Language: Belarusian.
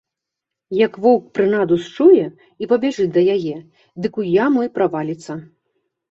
Як воўк прынаду счуе і пабяжыць да яе, дык у яму і праваліцца.